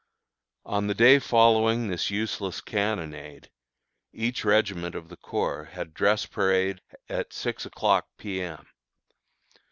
On the day following this useless cannonade, each regiment of the corps had dress parade at six o'clock P. M.